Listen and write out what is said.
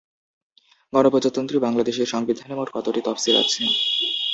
গণপ্রজাতন্ত্রী বাংলাদেশের সংবিধানে মোট কতটি তফসিল আছে?